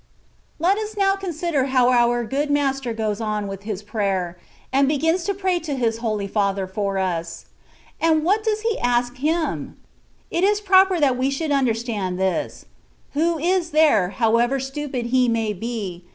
Let us now consider how our Good Master ^oes on (with His prayer), and begins to pray to llis Holy Father for us. And what does He ask liim? It is proper that we should understand i;his. Who is there, however stupid he may be. THE WAY OF PERFECTION.